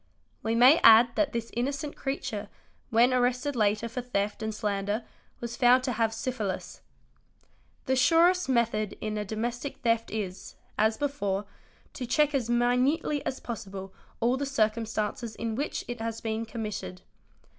We may add that this innocent creature. when arrested later for theft and slander was found to have syphilis. The surest method in a domestic theft is, as before, to check 4 y minutely as possible all the cireumstances in which it has been commit ied.